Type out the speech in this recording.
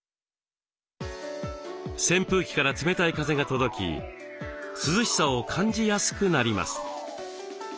扇風機から冷たい風が届き涼しさを感じやすくなります。